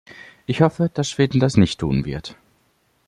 Ich hoffe, dass Schweden das nicht tun wird.